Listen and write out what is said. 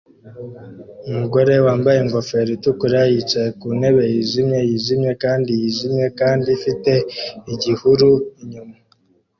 Umugore wambaye ingofero itukura yicaye ku ntebe yijimye yijimye kandi yijimye kandi ifite igihuru inyuma